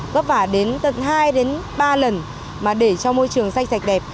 vất vả đến tận hai đến ba lần mà để cho môi trường sạch sạch đẹp